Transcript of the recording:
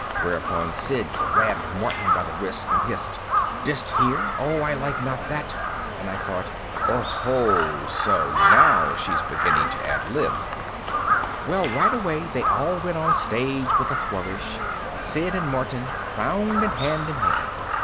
Whereupon Sid grabbed Martin by the wrist and hissed, "Did'st hear? Oh, I like not that," and I thought, Oh ho, so now she's beginning to ad lib. Well, right away they all went on stage with a flourish, Sid and Martin crowned and hand in hand.